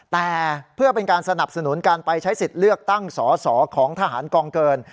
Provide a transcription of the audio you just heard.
แต่เพื่อเป็นการสนับสนุนการไปใช้สิทธิ์เลือกตั้งสอสอของทหารกองเกิน